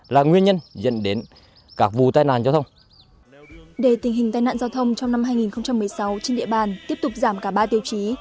để tình hình tai nạn giao thông trong năm hai nghìn một mươi sáu trên địa bàn tiếp tục giảm cả ba tiêu chí